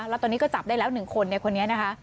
แล้วตอนนี้ก็จับได้แล้ว๑คนในคนนี้นะคะ